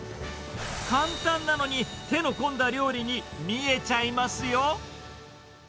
簡単なのに、手の込んだ料理に見えちゃいますよ。